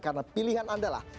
karena pilihan anda lah